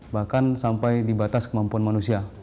bahkan sampai dibatas kemampuan manusia